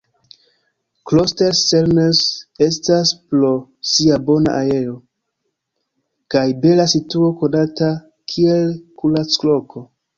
Klosters-Serneus estas pro sia bona aero kaj bela situo konata kiel kuracloko.